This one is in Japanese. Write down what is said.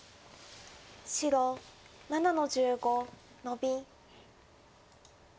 白７の十五ノビ。